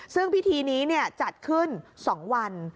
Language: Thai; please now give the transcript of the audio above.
ซึ่งพิธีนี้จัดขึ้น๒วัน